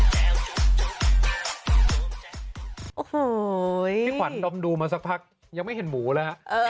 พี่ขวัญดมดูมาสักพักยังไม่เห็นหมูละ